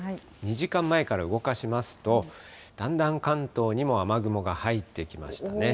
２時間前から動かしますと、だんだん関東にも雨雲が入ってきましたね。